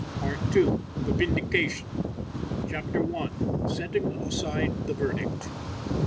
PART II. THE VINDICATION. CHAPTER I. SETTING ASIDE THE VERDICT.